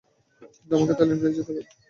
কিন্তু আমাকে থাইল্যান্ড ফিরে যেতে হয়।